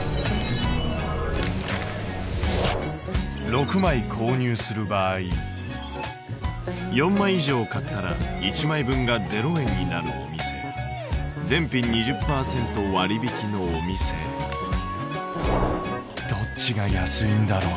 ６枚購入する場合４枚以上買ったら１枚分が０円になるお店全品２０％割引のお店どっちが安いんだろう？